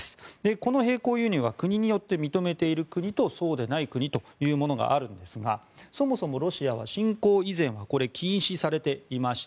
この並行輸入は国によって認めている国とそうでない国というものがあるんですがそもそもロシアは侵攻以前はこれ、禁止されていました。